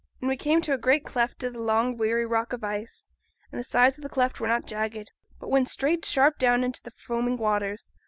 And we came to a great cleft in th' long weary rock of ice; and the sides o' th' cleft were not jagged, but went straight sharp down into th' foaming waters.